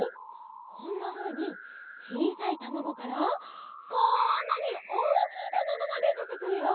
こんなふうにちいさいたまごからこんなにおおきいたまごまででてくるよ。